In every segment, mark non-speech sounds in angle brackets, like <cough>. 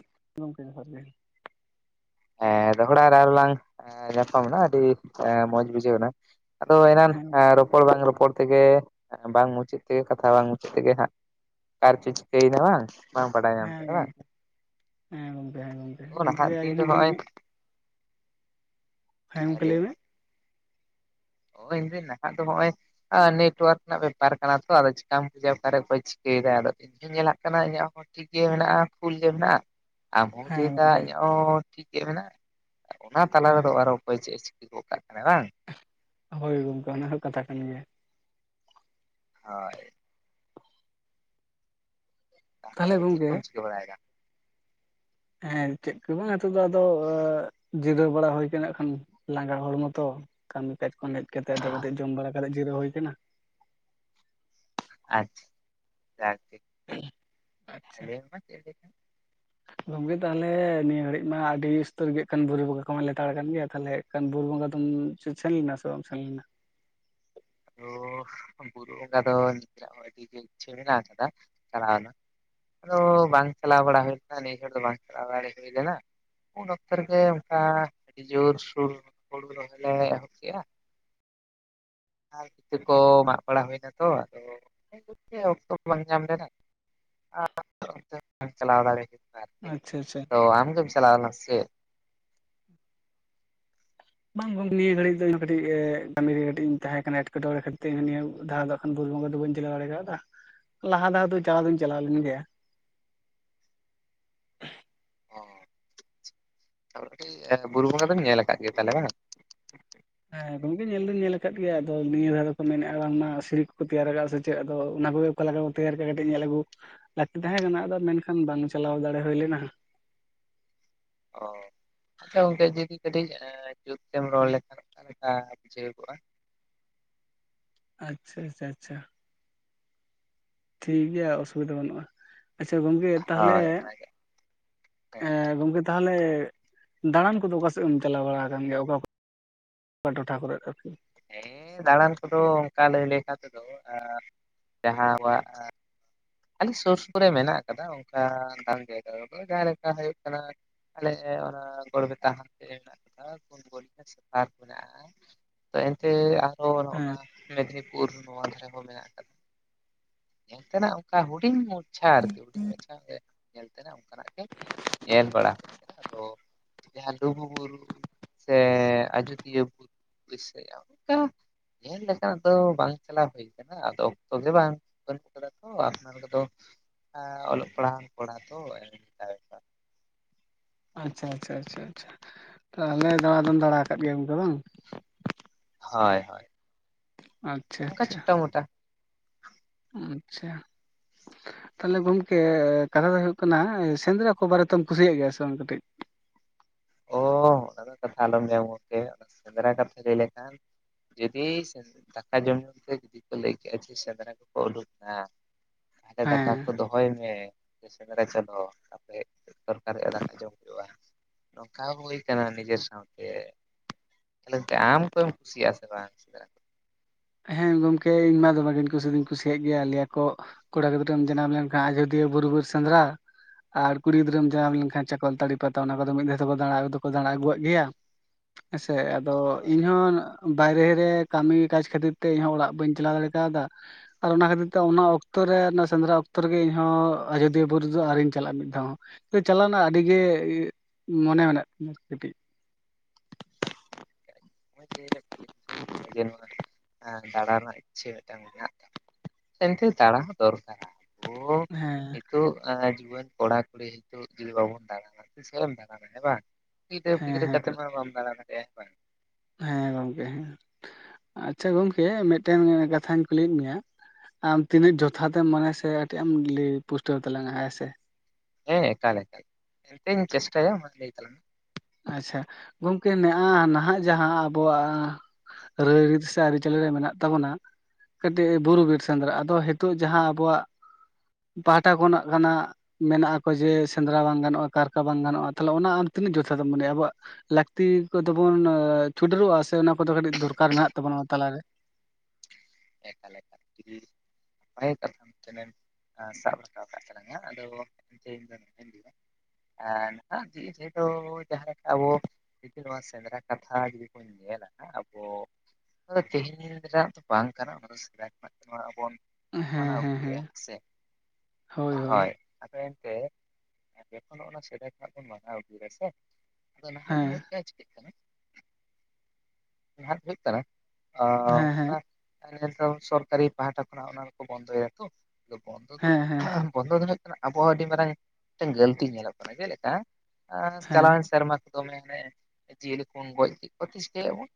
<inaudible> ᱜᱚᱢᱠᱮ ᱡᱚᱦᱟᱨ ᱜᱮ᱾ ᱦᱮᱸ ᱫᱚᱦᱲᱟ ᱨᱮ ᱟᱨᱚᱞᱟᱝ <inaudible> ᱧᱟᱯᱟᱢ ᱮᱱᱟ ᱟᱹᱰᱤ ᱮᱸ ᱢᱚᱸᱡᱽ ᱵᱩᱡᱷᱟᱹᱣ ᱮᱱᱟ᱾ ᱟᱫᱚ ᱮᱱᱟᱱ ᱦᱮᱸ ᱮᱸ ᱨᱚᱯᱚᱲ ᱵᱟᱝ ᱨᱚᱯᱚᱲ ᱛᱮᱜᱮ ᱵᱟᱝ ᱢᱩᱪᱟᱹᱫ ᱛᱮᱜᱮ ᱠᱟᱛᱷᱟ ᱵᱟᱝ ᱢᱩᱪᱟᱹᱫ ᱛᱮᱜᱮ ᱦᱟᱸᱜ <inaudible> ᱚᱠᱟ ᱨᱮ ᱪᱚ ᱪᱤᱠᱟᱹᱭᱮᱱᱟ ᱵᱟᱝ ᱾ ᱦᱮᱸ ᱜᱚᱝᱠᱮ ᱾ <inaudible> ᱦᱮᱸ ᱜᱚᱝᱠᱮ, ᱦᱮᱸ ᱜᱚᱝᱠᱮ ᱛᱚ ᱚᱝᱠᱟ ᱱᱟᱦᱟᱜ ᱜᱮ ᱫᱤᱱ ᱤᱧ ᱫᱚ ᱦᱚᱸ ᱵᱟᱹᱧ ᱱᱚᱜᱼᱚᱭ ᱵᱩᱡᱽ ᱦᱮᱸ ᱜᱚᱝᱠᱮ ᱞᱟᱹᱭ ᱢᱮ ᱾ ᱱᱚᱜ-ᱚᱭ <unintelligible> ᱫᱚ ᱱᱚᱜ-ᱚᱭ ᱟ ᱱᱮᱴᱣᱟᱨᱠ ᱨᱮᱱᱟᱜ ᱵᱮᱯᱟᱨ ᱠᱟᱱᱟ ᱛᱚ ᱟᱫᱚ ᱪᱤᱠᱟᱢ ᱵᱩᱡᱟ ᱟᱠᱟ ᱨᱮ ᱚᱠᱚᱭ ᱪᱤᱠᱟᱹᱭᱮᱫᱟ ᱾ ᱟᱫᱚ ᱧᱮᱞᱟᱜ ᱠᱟᱱᱟ ᱤᱧᱟᱜ ᱦᱚᱸ ᱴᱷᱤᱠ ᱜᱮ ᱢᱮᱱᱟᱜ-ᱟ ᱯᱷᱩᱞ ᱜᱮ ᱢᱮᱱᱟᱜ-ᱟ᱾ ᱟᱢ ᱦᱚᱸᱢ ᱦᱮᱸ ᱞᱟᱹᱭᱮᱫᱟ ᱜᱚᱢᱠᱮ ᱤᱧᱟᱹᱜ ᱦᱚᱸ ᱴᱷᱤᱠ ᱜᱮ ᱢᱮᱱᱟᱜ-ᱟ᱾ ᱚᱱᱟ ᱛᱟᱞᱟ ᱨᱮ ᱦᱮᱸ ᱫᱚ ᱟᱨᱦᱚᱸ ᱚᱠᱚᱭ ᱪᱮᱫ ᱮ ᱪᱤᱠᱟᱹ ᱜᱚᱜ ᱠᱟᱜ ᱠᱟᱱᱟᱭ ᱵᱟᱝ᱾ ᱦᱳᱭ ᱜᱚᱝᱠᱮ ᱚᱱᱟ ᱦᱚᱸ ᱠᱟᱛᱷᱟ ᱠᱟᱱ ᱜᱮᱭᱟ᱾ ᱦᱳᱭ ᱾ ᱛᱟᱦᱚᱞᱮ ᱛᱟᱦᱞᱮ ᱪᱮᱫ ᱜᱚᱢᱠᱮ ᱠᱚᱢ ᱪᱤᱠᱟᱹ ᱵᱟᱲᱟᱭ ᱮᱫᱟ? ᱦᱮᱸ ᱪᱮᱫ ᱠᱚ ᱵᱟᱝ ᱱᱤᱛᱚᱜ ᱫᱚ ᱟᱫᱚ ᱟ ᱡᱤᱨᱟᱹᱣ ᱵᱟᱲᱟ ᱦᱳᱭ ᱠᱟᱱᱟ ᱦᱟᱸᱜ ᱠᱷᱟᱱ ᱞᱟᱸᱜᱟ ᱦᱚᱲᱢᱚ ᱛᱚ᱾ ᱠᱟᱹᱢᱤ ᱠᱟᱡᱽ ᱠᱷᱚᱱ ᱦᱮᱡᱽ ᱠᱟᱛᱮ ᱟᱫᱚ <unintelligible> ᱡᱚᱢ ᱵᱟᱲᱟ ᱠᱟᱛᱮ ᱡᱤᱨᱟᱹᱣ ᱦᱳᱭ ᱟᱠᱟᱱᱟ᱾ <inaudible> ᱟᱪᱪᱷᱟ, <inaudible> ᱡᱟᱜ ᱜᱮ ᱾ <inaudible> ᱦᱮᱸ ᱞᱟᱹᱭ ᱢᱮ ᱾ ᱜᱚᱝᱠᱮ ᱛᱟᱦᱚᱞᱮ ᱱᱤᱭᱟᱹ ᱜᱷᱟᱹᱲᱤᱡ ᱢᱟ ᱟᱹᱰᱤ ᱩᱥᱛᱟᱹᱨ ᱜᱮᱜ ᱠᱟᱱ ᱵᱩᱨᱩ ᱵᱚᱸᱜᱟ ᱠᱚᱢᱟ ᱞᱮᱛᱟᱲ ᱠᱟᱱ ᱜᱮᱭᱟ, ᱛᱟᱦᱚᱞᱮ ᱮᱱᱠᱷᱟᱱ ᱵᱩᱨᱩ ᱵᱚᱸᱜᱟ ᱫᱚᱢ ᱪᱮ ᱥᱮᱱ ᱞᱮᱱᱟ ᱥᱮ ᱵᱟᱢ ᱥᱮᱱ ᱞᱮᱱᱟ? ᱟᱫᱚᱻ <inaudible> ᱵᱩᱨᱩ ᱵᱚᱸᱜᱟ ᱫᱚ ᱱᱤᱡᱮᱨᱟᱜ ᱦᱚᱸ ᱟᱹᱰᱤ ᱜᱮ ᱤᱪᱪᱷᱟᱹ ᱢᱮᱱᱟᱜ ᱟᱠᱟᱫᱟ ᱪᱟᱞᱟᱣ ᱨᱮᱱᱟᱜ ᱾ ᱟᱫᱚ ᱵᱟᱝ ᱪᱟᱞᱟᱣ ᱵᱟᱲᱟ ᱦᱩᱭ ᱞᱮᱱᱟ ᱾ ᱱᱤᱭᱟᱹ ᱪᱷᱚᱴ ᱫᱚ ᱵᱟᱝ ᱪᱟᱞᱟᱣ ᱵᱟᱲᱟ ᱦᱩᱭ ᱞᱮᱱᱟ ᱾ ᱩᱱ ᱚᱠᱛᱚ ᱨᱮᱜᱮ ᱚᱱᱠᱟ ᱟᱹᱰᱤ ᱡᱳᱨ ᱥᱩᱨ ᱦᱩᱲᱩ ᱨᱚᱦᱚᱭ ᱞᱮ ᱮᱦᱚᱵ ᱠᱮᱜ-ᱟ ᱾ ᱵᱷᱤᱛᱟᱹ ᱠᱚ ᱢᱟᱜ ᱵᱟᱲᱟ ᱦᱩᱭ ᱮᱱᱟ ᱛᱚ ᱟᱫᱚ <unintelligible> ᱚᱠᱛᱚ ᱵᱟᱝ ᱧᱟᱢ ᱞᱮᱱᱟ ᱾ <inaudible> ᱪᱟᱞᱟᱣ ᱫᱟᱲᱮ ᱟᱨᱠᱤ ᱟᱪᱪᱷᱟ ᱟᱪᱪᱷᱟ <inaudible> ᱛᱚ ᱟᱢᱜᱮᱢ ᱪᱟᱞᱟᱣ ᱞᱮᱱᱟ ᱥᱮ ᱪᱮᱫ? ᱵᱟᱝ ᱜᱚᱝ ᱱᱤᱭᱟᱹ ᱜᱷᱟᱹᱲᱤᱡ ᱫᱚ ᱤᱧ ᱦᱚ ᱠᱟᱹᱴᱤᱡ ᱮ ᱠᱟᱹᱢᱤ ᱨᱮ ᱠᱟᱹᱴᱤᱡ ᱤᱧ ᱛᱟᱦᱮᱸ ᱠᱟᱱᱟ ᱮᱴᱠᱮᱴᱚᱬᱮ ᱠᱷᱟᱹᱛᱤᱨ ᱱᱤᱭᱟᱹ ᱫᱷᱟᱣ ᱫᱚ ᱵᱩᱨᱩ ᱵᱚᱸᱜᱚ ᱫᱚ ᱵᱟᱹᱧ ᱪᱟᱞᱟᱣ ᱫᱟᱲᱮ ᱠᱟᱣᱫᱟ ᱾ <inaudible> ᱞᱟᱦᱟ ᱫᱷᱟᱣ ᱫᱚ ᱪᱟᱞᱟᱣ ᱫᱩᱧ ᱪᱟᱞᱟᱣ ᱞᱮᱱ ᱜᱮᱭᱟ ᱾ ᱚ ᱟᱪᱪᱷᱟ ᱟᱪᱪᱷᱟ <unintelligible> ᱵᱩᱨᱩ ᱵᱚᱸᱜᱟ ᱫᱚᱢ ᱧᱮᱞ ᱟᱠᱟᱜ ᱜᱮᱭᱟ ᱛᱟᱦᱚᱞᱮ ᱵᱟᱝ? ᱦᱮᱸ ᱜᱚᱢᱠᱮ ᱧᱮᱞ ᱫᱚᱧ ᱧᱮᱞ ᱟᱠᱟᱫ ᱜᱮᱭᱟ ᱾ ᱟᱫᱚ ᱱᱤᱭᱟᱹ ᱫᱷᱟᱣ ᱫᱚᱠᱚ ᱢᱮᱱᱮᱜ-ᱟ ᱵᱟᱝᱢᱟ ᱥᱤᱲᱤ ᱠᱚᱠᱚ ᱛᱮᱭᱟᱨ ᱟᱠᱟᱜ-ᱟ ᱥᱮ ᱪᱮᱫ ᱟᱫᱚ ᱚᱱᱟ ᱠᱚᱜᱮ ᱚᱠᱟ ᱞᱮᱠᱟ ᱠᱚ ᱛᱮᱭᱟᱨ ᱠᱟᱜ-ᱟ ᱠᱟᱹᱴᱤᱡ ᱧᱮᱞ ᱟᱹᱜᱩ ᱞᱟᱹᱠᱛᱤ ᱛᱟᱦᱮᱸ ᱠᱟᱱᱟ ᱾ ᱟᱫᱚ ᱢᱮᱱᱠᱷᱟᱱ ᱵᱟᱝ ᱪᱟᱞᱟᱣ ᱫᱟᱲᱮ ᱦᱩᱭ ᱞᱮᱱᱟ ᱾ ᱚ ᱾ <inaudible> ᱟᱪᱪᱷᱟ ᱜᱚᱝᱠᱮ ᱡᱩᱫᱤ ᱠᱟᱹᱴᱤᱡ ᱮ ᱡᱩᱛ ᱛᱮᱢ ᱨᱚᱲ ᱞᱮᱠᱷᱟᱱ ᱞᱮᱠᱟ ᱵᱩᱡᱷᱟᱹᱣ ᱠᱚᱜ-ᱟ ᱾ ᱟᱪᱪᱷᱟ ᱟᱪᱪᱷᱟ ᱟᱪᱪᱷᱟ ᱾ ᱴᱷᱤᱠ ᱜᱮᱭᱟ ᱚᱥᱩᱵᱤᱫᱷᱟ ᱵᱟᱹᱱᱩᱜ-ᱟ ᱾ <inaudible> ᱟᱪᱪᱷᱟ ᱜᱚᱢᱠᱮ ᱛᱟᱦᱚᱞᱮ ᱦᱳᱭ <inaudible> ᱚᱱᱟᱜᱮ ᱦᱮᱸ ᱮᱸ ᱜᱚᱝᱠᱮ ᱛᱟᱦᱚᱞᱮ ᱫᱟᱬᱟᱱ ᱠᱚᱫᱚ ᱚᱠᱟ ᱥᱮᱜ ᱮᱢ ᱪᱟᱞᱟᱣ ᱵᱟᱲᱟ ᱠᱟᱱ ᱜᱮᱭᱟ ᱚᱠᱟ ᱠᱚ <inaudible> ᱚᱠᱟ ᱴᱚᱴᱷᱟ ᱠᱚᱨᱮᱫ ᱟᱨᱠᱤ? ᱦᱮᱸᱻ ᱫᱟᱬᱟᱱ ᱠᱚᱫᱚ ᱚᱱᱠᱟ ᱞᱟᱹᱭ ᱞᱮᱠᱟᱛᱮ ᱫᱚ ᱟ <inaudible> ᱡᱟᱦᱟᱸ ᱟᱵᱚᱣᱟᱜ ᱟᱞᱮ ᱥᱩᱨ ᱥᱩᱯᱩᱨ ᱨᱮ ᱢᱮᱱᱟᱜ ᱟᱠᱟᱫᱟ ᱚᱱᱠᱟ ᱜᱟᱱ ᱡᱟᱭᱜᱟ ᱨᱮᱫᱚ ᱾ ᱡᱟᱦᱟᱸ ᱞᱮᱠᱟ ᱦᱩᱭᱩᱜ ᱠᱟᱱᱟ ᱟᱞᱮ ᱚᱱᱟ ᱜᱚᱲᱵᱮᱛᱟ ᱦᱟᱱᱛᱮ ᱢᱮᱱᱟᱜ ᱟᱠᱟᱫᱟ <unintelligible> ᱥᱮ ᱯᱟᱨᱠ ᱢᱮᱱᱟᱜ-ᱟ ᱾ ᱮᱱᱛᱮ ᱟᱨᱚ ᱦᱮᱸ ᱱᱚᱜ-ᱱᱟ ᱢᱮᱫᱽᱱᱤᱯᱩᱨ ᱱᱚᱣᱟ ᱫᱷᱟᱨᱮ ᱦᱚᱸ ᱢᱮᱱᱟᱜ ᱠᱟᱫᱟ <inaudible> ᱧᱮᱞ ᱛᱮᱱᱟᱜ ᱚᱱ ᱠᱟ ᱦᱩᱰᱤᱧ ᱢᱟᱪᱪᱷᱟ ᱟᱨᱠᱤ ᱦᱩᱰᱤᱧ ᱢᱟᱪᱪᱷᱟ <inaudible> ᱧᱮᱞ ᱛᱮᱱᱟᱜ ᱚᱱᱠᱟᱱᱟᱜ ᱜᱮ ᱧᱮᱞ ᱵᱟᱲᱟ ᱦᱩᱭ ᱟᱠᱟᱱᱟ ᱾ ᱟᱫᱚ ᱡᱟᱦᱟᱸ ᱞᱩᱜᱩᱵᱩᱨᱩ ᱥᱮ ᱟᱡᱚᱫᱤᱭᱟᱹ ᱵᱩᱨᱩ ᱵᱤᱨ <inaudible> ᱥᱮ <unintelligible> ᱧᱮᱞ ᱞᱮᱠᱟᱱᱟᱜ ᱫᱚ ᱵᱟᱝ ᱪᱟᱞᱟᱣ ᱦᱩᱭ ᱠᱟᱱᱟ ᱟᱫᱚ ᱚᱠᱛᱚ ᱜᱮ ᱵᱟᱝ ᱵᱟᱹᱱᱩᱜ ᱠᱟᱫᱟ ᱛᱚ ᱟᱯᱱᱟᱨ ᱠᱚᱫᱚ ᱟᱻ ᱚᱞᱚᱜ ᱯᱟᱲᱦᱟᱣ ᱠᱚᱲᱟ ᱛᱚ <unintelligible> ᱟᱪᱪᱷᱟ ᱟᱪᱪᱷᱟ ᱟᱪᱪᱷᱟ ᱟᱪᱪᱷᱟ ᱛᱟᱦᱚᱞᱮ ᱫᱟᱬᱟ ᱫᱚᱢ ᱫᱟᱲᱟ ᱠᱟᱫ ᱜᱮᱭ ᱜᱚᱝᱠᱮ ᱵᱟᱝ? ᱦᱳᱭ ᱦᱳᱭ᱾ ᱟᱪᱪᱷᱟ ᱚᱱᱠᱟ ᱟᱪᱪᱷᱟ᱾ ᱪᱷᱳᱴᱟ ᱢᱳᱴᱟ ᱟᱪᱪᱷᱟ᱾ ᱛᱟᱦᱚᱞᱮ ᱜᱚᱢᱠᱮ ᱠᱟᱛᱷᱟ ᱫᱚ ᱦᱩᱭᱩᱜ ᱠᱟᱱᱟ ᱥᱮᱸᱫᱽᱨᱟ ᱠᱚ ᱵᱟᱨᱮ ᱛᱮᱢ ᱠᱩᱥᱤᱭᱟᱜ ᱜᱮᱭᱟ ᱥᱮ ᱵᱟᱝ ᱠᱟᱹᱴᱤᱡ? ᱚᱻ ᱚᱱᱟ ᱠᱟᱛᱷᱟ ᱟᱞᱚᱢ ᱞᱮᱭᱟ ᱜᱚᱢᱠᱮ ᱚᱱᱟ ᱥᱮᱸᱫᱽᱨᱟ ᱠᱟᱛᱷᱟ ᱞᱟᱹᱭ ᱞᱮᱠᱷᱟᱱ ᱡᱩᱫᱤ ᱥᱮᱸᱫ ᱫᱟᱠᱟ ᱡᱚᱢ ᱧᱩ ᱛᱮ ᱡᱩᱫᱤ ᱠᱚ ᱞᱟᱹᱭ ᱠᱮᱜᱼᱟ ᱡᱮ ᱥᱮᱸᱫᱽᱨᱟ ᱠᱚᱠᱚ ᱩᱰᱩᱠᱱᱟ ᱛᱟᱦᱚᱞᱮ ᱫᱟᱠᱟ ᱦᱮᱸ ᱠᱚᱫᱚ ᱫᱚᱦᱚᱭ ᱢᱮ ᱥᱮᱸᱫᱽᱨᱟ ᱪᱚᱞᱚ ᱛᱟᱯᱟᱨᱮ ᱦᱮᱡ ᱠᱟᱛᱮ ᱫᱚᱨᱠᱟᱨ ᱦᱩᱭᱩᱜ-ᱟ ᱫᱟᱠᱟ ᱡᱚᱢ ᱦᱩᱭᱩᱜᱼᱟ᱾ ᱱᱚᱝᱠᱟ ᱦᱚᱸ ᱦᱩᱭ ᱠᱟᱱᱟ ᱱᱤᱡᱮᱨ ᱥᱟᱶᱛᱮ ᱛᱟᱦᱚᱞᱮ ᱜᱚᱢᱠᱮ ᱟᱢ ᱛᱚᱢ ᱠᱩᱥᱤᱭᱟᱜᱼᱟ ᱥᱮ ᱵᱟᱝ ᱥᱮᱸᱱᱫᱽᱨᱟ ᱦᱮᱸ ᱜᱚᱢᱠᱮ ᱤᱧᱢᱟ ᱫᱚᱢᱮᱜᱤᱧ ᱠᱩᱥᱤ ᱫᱩᱧ ᱠᱩᱥᱤᱭᱟᱜ ᱜᱮᱭᱟ ᱞᱟᱹᱭᱟ ᱠᱚ ᱠᱚᱲᱟ ᱜᱤᱫᱽᱨᱟᱹᱢ ᱡᱟᱱᱟᱢ ᱞᱮᱱᱠᱷᱟᱱ ᱟᱡᱚᱫᱤᱭᱟᱹ ᱵᱩᱨᱩ ᱵᱤᱨ ᱥᱮᱸᱫᱽᱨᱟ ᱟᱨ ᱠᱩᱲᱤ ᱜᱤᱫᱽᱨᱟᱹᱢ ᱡᱟᱱᱟᱢ ᱞᱮᱱᱠᱷᱟᱱ ᱪᱟᱚᱠᱚᱞ ᱛᱟᱹᱲᱤ ᱯᱟᱛᱟ ᱚᱱᱟ ᱠᱚᱫᱚ ᱢᱤᱫ ᱫᱷᱟᱣ ᱛᱮᱠᱚ ᱫᱟᱬᱟ ᱫᱚᱠᱚ ᱫᱟᱬᱟ ᱟᱹᱜᱩᱣᱟᱜ ᱜᱮᱭᱟ ᱾ ᱦᱮᱸᱥᱮ ᱟᱫᱚ ᱦᱳᱭ ᱤᱧᱦᱚᱸ ᱵᱟᱭᱨᱮ ᱨᱮ ᱠᱟᱹᱢᱤ ᱠᱟᱡ ᱠᱷᱟᱹᱛᱤᱨ ᱛᱮ ᱤᱧ ᱦᱚᱸ ᱚᱲᱟᱜ ᱵᱟᱹᱧ ᱪᱟᱞᱟᱣ ᱫᱟᱲᱮ ᱠᱟᱣᱫᱟ, ᱟᱨ ᱚᱱᱟ ᱠᱷᱟᱹᱛᱤᱨ ᱛᱮ ᱚᱱᱟ ᱚᱠᱛᱚ ᱨᱮ ᱚᱱᱟ ᱥᱮᱸᱫᱽᱨᱟ ᱚᱠᱛᱚ ᱨᱮᱜᱮ ᱤᱧᱦᱚᱸ ᱟᱡᱚᱫᱤᱭᱟᱹ ᱵᱩᱨᱩ ᱫᱚ ᱟᱣᱨᱤᱧ ᱪᱟᱞᱟᱜᱼᱟ ᱢᱤᱫ ᱫᱷᱟᱣ ᱦᱚᱸ ᱾ ᱛᱚ ᱪᱟᱞᱟᱣ ᱨᱮᱱᱟᱜ ᱟᱹᱰᱤ ᱜᱮ ᱢᱚᱱᱮ ᱢᱮᱱᱟᱜ ᱛᱤᱧᱟ ᱠᱟᱹᱴᱤᱡ <unintelligible> <unintelligible> ᱡᱮ ᱱᱚᱣᱟ ᱫᱟᱲᱟ ᱨᱮᱱᱟᱜ ᱤᱪᱪᱷᱟᱹ ᱢᱤᱫᱴᱟᱝ ᱢᱮᱱᱟᱜ ᱛᱟᱵᱱᱟ ᱮᱱᱛᱮ ᱫᱟᱲᱟ ᱦᱚᱸ ᱫᱚᱨᱠᱟᱨᱟ᱾ ᱦᱮᱸ᱾ ᱛᱚ ᱮ ᱡᱩᱣᱟᱹᱱ ᱠᱚᱲᱟ ᱠᱩᱲᱤ ᱦᱤᱛᱩᱜ ᱡᱩᱫᱤ ᱵᱟᱵᱚᱱ ᱫᱟᱬᱟᱱᱟ ᱛᱤᱥᱠᱟᱨᱮᱢ ᱫᱟᱬᱟᱱᱟ ᱦᱮ ᱵᱟᱝ᱾ ᱜᱤᱫᱨᱟᱹ ᱦᱮᱸ ᱯᱤᱫᱨᱟᱹ ᱠᱟᱛᱮ ᱦᱮᱸ ᱢᱟ ᱵᱟᱢ ᱫᱟᱲᱟ ᱫᱟᱲᱮᱭᱟ᱾ ᱦᱮᱸ ᱜᱚᱢᱠᱮ ᱦᱮᱸ ᱟᱪᱪᱷᱟ ᱜᱚᱢᱠᱮ ᱢᱤᱫᱴᱮᱱ ᱠᱟᱛᱷᱟᱧ ᱠᱩᱞᱤᱭᱮᱜ ᱢᱮᱭᱟ ᱟᱢ ᱛᱤᱱᱟᱹᱜ ᱡᱚᱛᱷᱟ ᱮᱢ ᱢᱟᱱᱮ ᱥᱮ ᱠᱟᱴᱤᱡ ᱮᱢ ᱞᱟᱹᱭ ᱯᱩᱥᱴᱟᱹᱣ ᱛᱟᱞᱟᱝᱟ ᱦᱮᱸ ᱥᱮ ᱦᱮᱸ ᱮᱠᱟᱞ ᱮᱠᱟᱞ ᱮᱱᱛᱮᱧ ᱪᱮᱥᱴᱟᱭᱟ ᱢᱟ ᱞᱟᱹᱭ ᱛᱟᱞᱟᱝ ᱢᱮ ᱟᱪᱪᱷᱟ ᱜᱚᱝᱠᱮ ᱱᱮᱦᱟᱜ ᱱᱟᱦᱟᱜ ᱡᱟᱦᱟᱸ ᱟᱵᱚᱣᱟᱜ ᱨᱟᱹᱭ ᱨᱤᱛ ᱥᱮ ᱟᱨᱤ ᱪᱟᱹᱞᱤ ᱨᱮ ᱢᱮᱱᱟᱜ ᱛᱟᱵᱚᱱᱟ ᱠᱟᱴᱤᱡ ᱵᱩᱨᱩ ᱵᱤᱨ ᱥᱮᱸᱫᱽᱨᱟ ᱟᱫᱚ ᱦᱤᱛᱚᱜ ᱡᱟᱦᱟᱸ ᱟᱵᱚᱣᱟᱜ ᱯᱟᱦᱟᱴᱟ ᱠᱷᱚᱱᱟᱜ ᱠᱟᱱᱟ ᱢᱮᱱᱟᱜ ᱠᱚ ᱡᱮ ᱥᱮᱸᱫᱽᱨᱟ ᱵᱟᱝ ᱜᱟᱱᱚᱜᱼᱟ ᱠᱟᱨᱠᱟ ᱵᱟᱝ ᱜᱟᱱᱚᱜᱼᱟ ᱛᱟᱦᱚᱞᱮ ᱚᱱᱟ ᱟᱢ ᱛᱤᱱᱟᱹᱜ ᱡᱚᱛᱷᱟᱛ ᱮᱢ ᱢᱚᱱᱮᱭᱼᱟ ᱟᱵᱚᱣᱟᱜ ᱞᱟᱹᱠᱛᱤ ᱠᱚᱫᱚ ᱵᱚᱱ ᱪᱩᱰᱟᱹᱨᱚᱜᱼᱟ ᱥᱮ ᱚᱱᱟ ᱠᱚᱫᱚ ᱠᱟᱹᱴᱤᱡ ᱫᱚᱨᱠᱟᱨ ᱢᱮᱱᱟᱜ ᱛᱟᱵᱚᱱᱟ ᱚᱱᱟ ᱛᱟᱞᱟᱨᱮ ᱮᱠᱟᱞ ᱮᱠᱟᱞ ᱡᱩᱫᱤ ᱵᱷᱟᱜᱮ ᱠᱟᱛᱷᱟᱢ ᱢᱤᱫᱴᱟᱝ ᱮᱢ ᱥᱟᱵ ᱨᱟᱠᱟᱵ ᱠᱟᱜ ᱛᱟᱞᱟᱝᱟ ᱟᱫᱚ ᱤᱧ <unintelligible> ᱮ ᱱᱟᱦᱟᱜ ᱡᱤᱭᱤᱫ ᱡᱤᱭᱤ ᱫᱚ ᱡᱟᱦᱟ ᱞᱮᱠᱟ ᱟᱵᱚ ᱡᱩᱫᱤ ᱱᱚᱣᱟ ᱥᱮᱸᱫᱽᱨᱟ ᱠᱟᱛᱷᱟ ᱡᱩᱫᱤ ᱠᱚ ᱧᱮᱞᱟ ᱦᱟᱸᱜ ᱟᱵᱚ ᱱᱚᱣᱟ ᱫᱚ ᱛᱮᱦᱮᱧ ᱨᱮᱱᱟᱜ ᱫᱚ ᱵᱟᱝ ᱠᱟᱱᱟ ᱚᱱᱟ ᱫᱚ ᱥᱮᱫᱟᱭ ᱠᱷᱚᱱᱟᱜ ᱱᱚᱣᱟ ᱟᱵᱚᱱ ᱦᱮᱸ ᱢᱟᱱᱟᱣ ᱦᱮᱸ ᱦᱮᱸ ᱟᱜᱩᱭᱮᱜ-ᱟ ᱦᱮᱥᱮ ᱦᱳᱭ᱾ ᱟᱫᱚ ᱮᱱᱛᱮ ᱡᱚᱠᱷᱚᱱ ᱚᱱᱟ ᱥᱮᱫᱟᱭ ᱠᱷᱚᱱᱟᱜ ᱵᱚᱱ ᱢᱟᱱᱟᱣ ᱟᱹᱜᱩᱭᱮᱫᱟ ᱥᱮ ᱟᱫᱚ ᱱᱟᱦᱟᱜ ᱫᱚ ᱦᱮᱸ ᱦᱩᱭᱩᱜ ᱠᱟᱱᱟ ᱪᱤᱠᱮᱜ ᱠᱟᱱᱟ ᱱᱟᱦᱟᱜ ᱫᱚ ᱦᱩᱭᱩᱜ ᱠᱟᱱᱟ ᱚᱻ ᱦᱮᱸ ᱦᱮᱸ ᱚᱱᱟ ᱛᱟᱦᱟᱞᱮ ᱮᱠᱫᱚᱢ ᱥᱚᱨᱠᱟᱨᱤ ᱯᱟᱦᱟᱴᱷᱟ ᱠᱷᱚᱱᱟᱜ ᱚᱱᱟ ᱫᱚᱠᱚ ᱵᱚᱱᱫᱚᱭᱟ ᱛᱚ ᱛᱚ ᱵᱚᱱᱫᱚ ᱫᱚ ᱦᱮᱸ ᱦᱮᱸ ᱵᱚᱱᱫᱚ ᱫᱚ ᱦᱩᱭᱩᱜ ᱠᱟᱱᱟ ᱟᱵᱚ ᱦᱚᱸ ᱟᱹᱰᱤ ᱢᱟᱨᱟᱝ ᱢᱤᱫᱴᱮᱱ ᱜᱟᱹᱞᱛᱤ ᱧᱮᱞᱚᱜ ᱠᱟᱱᱟ ᱡᱮᱞᱮᱠᱟ ᱮᱸᱻ ᱦᱮᱸ ᱪᱟᱞᱟᱣᱮᱱ ᱥᱮᱨᱢᱟ ᱠᱚ ᱫᱚᱢᱮ ᱦᱟᱱᱮ ᱡᱤᱭᱟᱹᱞᱤ ᱠᱚᱵᱚᱱ ᱜᱚᱡ ᱠᱮᱫ ᱠᱚᱣᱟ ᱪᱮᱜᱪᱤᱠᱟᱹᱭᱟᱵᱚᱱ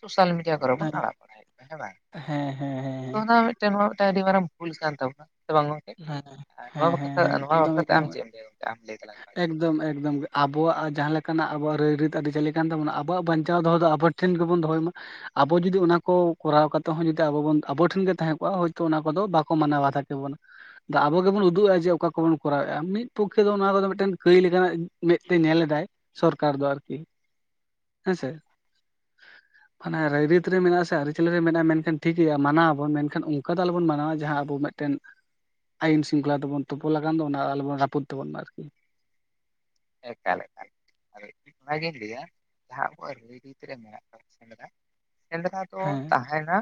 ᱥᱳᱥᱟᱞ ᱢᱤᱰᱤᱭᱟ ᱠᱚᱨᱮ ᱵᱚᱱ ᱦᱮᱸ ᱟᱲᱟᱜ ᱵᱟᱲᱦᱟᱭᱮᱫ ᱠᱚᱣᱟ ᱦᱮᱸ ᱵᱟᱝ? ᱦᱮᱸ ᱦᱮᱸ ᱦᱮᱸ, ᱛᱚ ᱱᱚᱭᱟ ᱢᱮᱫᱴᱟᱝ ᱚᱱᱟ ᱢᱤᱫᱴᱮᱱ ᱟᱹᱰᱤ ᱢᱟᱨᱟᱝ ᱵᱷᱩᱞ ᱠᱟᱱ ᱛᱟᱵᱚᱱᱟ ᱥᱮ ᱵᱟᱝ ᱜᱚᱝᱠᱮ? ᱦᱮᱸ ᱟᱨ ᱱᱚᱣᱟ ᱦᱮᱸ ᱦᱮᱸ ᱵᱟᱠᱷᱨᱟ ᱦᱮᱸ ᱱᱚᱣᱟ ᱮᱠᱫᱚᱢ ᱵᱟᱠᱷᱨᱟ ᱛᱮ ᱟᱢ ᱮᱠᱫᱚᱢ ᱪᱮᱫ ᱮᱢ ᱞᱟᱹᱭᱟ ᱜᱚᱝᱠᱮ ᱟᱢ ᱞᱟᱹᱭ ᱫᱟᱞᱟᱝ ᱢᱮ? ᱟᱜᱮ᱾ ᱮᱠᱫᱚᱢ ᱮᱠᱫᱚᱢ ᱟᱵᱚᱣᱟᱜ ᱡᱟᱦᱟ ᱞᱮᱠᱟ ᱱᱟᱜ ᱟᱵᱚᱣᱟᱜ ᱨᱟᱹᱭᱼ ᱨᱤᱛ ᱟᱨᱤᱪᱟᱹᱞᱤ ᱠᱟᱱ ᱛᱟᱵᱚᱱᱟ ᱟᱵᱚᱣᱟᱜ ᱵᱟᱧᱪᱟᱣ ᱫᱚᱦᱚ ᱫᱚ ᱟᱵᱚ, ᱴᱷᱮᱱ ᱜᱮᱵᱚᱱ ᱫᱚᱦᱚᱭ ᱢᱟ᱾ ᱟᱵᱚ ᱡᱩᱫᱤ ᱚᱱᱟ ᱠᱚ ᱠᱚᱨᱟᱣ ᱠᱟᱛᱮᱫ ᱦᱚᱸ ᱡᱩᱫᱤ ᱟᱵᱚᱵᱚᱱ ᱟᱵᱚ ᱴᱷᱮᱱ ᱜᱮ ᱛᱟᱦᱮᱸ ᱠᱚᱜᱼᱟ ᱦᱳᱭᱛᱳ ᱚᱱᱟ ᱠᱚᱫᱚ ᱵᱟᱠᱚ ᱢᱟᱱᱟᱣ ᱵᱟᱛᱟᱭ ᱠᱮᱵᱚᱱᱟ᱾ ᱟᱵᱚ ᱜᱮᱵᱚᱱ ᱩᱫᱩᱜᱼᱟ ᱡᱮ ᱚᱠᱟ ᱠᱚᱵᱚᱱ ᱠᱚᱨᱟᱣᱮᱫᱼᱟ ᱢᱤᱫ ᱯᱚᱠᱠᱷᱮ ᱫᱚ ᱚᱱᱟ ᱠᱚᱫᱚ ᱢᱤᱫᱴᱮᱱ ᱠᱟᱹᱭ ᱞᱮᱠᱟᱱᱟᱜ ᱢᱮᱫᱛᱮ ᱧᱮᱞ ᱮᱫᱟᱭ᱾ ᱥᱚᱨᱠᱟᱨ ᱫᱚ ᱟᱨᱠᱤ ᱦᱮᱸ ᱥᱮ? ᱯᱷᱟᱱᱮ ᱨᱟᱭᱨᱤᱛ ᱨᱮ ᱢᱮᱱᱟᱜᱼᱟ ᱥᱮ ᱟᱨᱹᱤ ᱪᱟᱞᱤ ᱨᱮ ᱢᱮᱱᱟᱜᱼᱟ ᱢᱮᱱᱠᱷᱟᱱ ᱴᱷᱤᱠ ᱜᱮᱭᱟ ᱢᱟᱱᱟᱣ ᱟᱵᱚᱱ ᱢᱮᱱᱠᱷᱟᱱ ᱚᱱᱠᱟ ᱫᱚ ᱟᱞᱚᱵᱚᱱ ᱢᱟᱱᱟᱣᱟ ᱡᱟᱦᱟ ᱟᱵᱚ ᱢᱮᱫ ᱟᱭᱤᱱ ᱥᱤᱝᱠᱷᱚᱞᱟ ᱛᱮᱵᱚᱱ ᱛᱚᱯᱚᱞ ᱟᱠᱟᱱ ᱫᱚ ᱚᱱᱟ ᱟᱞᱚᱵᱚᱱ ᱨᱟᱯᱩᱫ ᱛᱟᱵᱚᱱ ᱢᱟ ᱟᱨᱠᱤ᱾ ᱮᱠᱟᱞ ᱮᱠᱟᱞ ᱟᱫᱚ ᱤᱧ ᱚᱱᱟᱜᱤᱧ ᱞᱟᱹᱭᱟ ᱡᱟᱦᱟᱸ ᱟᱵᱚᱣᱟᱜ ᱨᱟᱹᱭ ᱨᱤᱛ ᱨᱮ ᱢᱮᱱᱟᱜ ᱟᱠᱟᱫ ᱥᱮ ᱢᱮᱱᱟ ᱮᱱᱞᱮᱠᱟ ᱫᱚ ᱦᱮᱸ ᱛᱟᱦᱮᱱᱟ